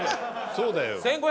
そうだよ。